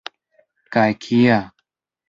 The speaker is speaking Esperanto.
Kaj kia!